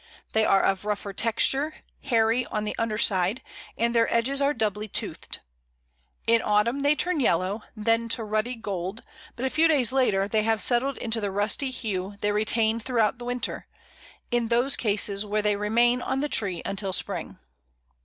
They are of rougher texture, hairy on the underside, and their edges are doubly toothed. In autumn they turn yellow, then to ruddy gold, but a few days later they have settled into the rusty hue they retain throughout the winter, in those cases where they remain on the tree until spring.